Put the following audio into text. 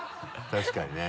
確かにね。